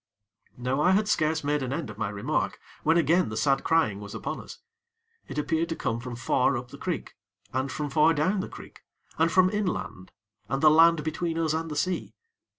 Now, I had scarce made an end of my remark, when again the sad crying was upon us. It appeared to come from far up the creek, and from far down the creek, and from inland and the land between us and the sea.